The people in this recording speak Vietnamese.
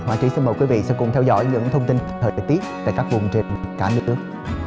và trí xin mời quý vị sẽ cùng theo dõi những thông tin thời tiết tại các vùng trên cả nước